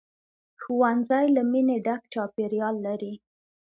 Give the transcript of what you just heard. ښوونځی له مینې ډک چاپېریال لري